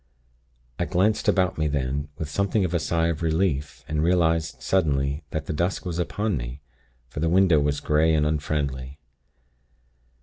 "I glanced about me then, with something of a sigh of relief, and realized suddenly that the dusk was upon me, for the window was grey and unfriendly.